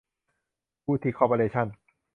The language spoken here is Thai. บูทิค คอร์ปอเรชั่น